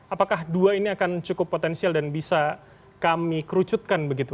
apakah dua ini akan cukup potensial dan bisa kami kerucutkan begitu